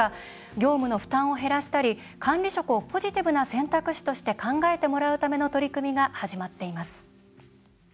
業務の負担を減らしたり管理職をポジティブな選択肢として考えてもらうための取り組みが始まっています。